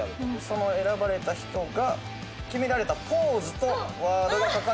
「その選ばれた人が決められたポーズとワードが書かれた」。